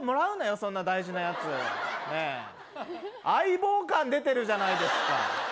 そんな大事なやつねえ相棒感出てるじゃないですか